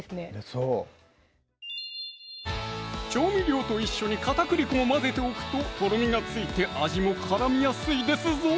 そう調味料と一緒に片栗粉を混ぜておくととろみがついて味も絡みやすいですぞ